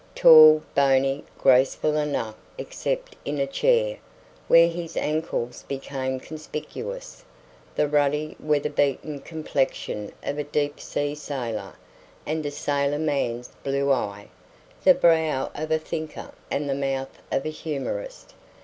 Tall, bony, graceful enough except in a chair, where his angles became conspicuous; the ruddy, weather bitten complexion of a deep sea sailor, and a sailor man's blue eye; the brow of a thinker and the mouth of a humourist.